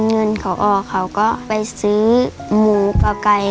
หนูก็เลยพดข้าวใส่กะปิแล้วก็ใส่วีดผงแล้วก็ขยับกิน